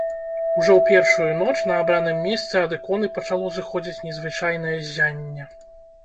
Ужо ў першую ноч на абраным месцы ад іконы пачало зыходзіць незвычайнае ззянне.